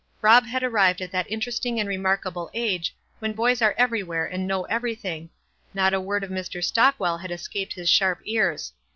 Rob. had arrived at that interesting and remark able age when boys arc everywhere and know everything; not a word of Mr. Stochwcll had escaped his sharp ears.